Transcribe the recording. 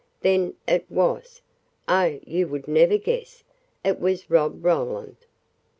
"Then it was " "Oh, you would never guess. It was Rob Roland!"